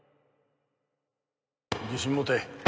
自信持て